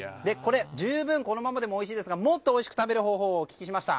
十分これでもおいしいですがもっとおいしく食べる方法をお聞きしました。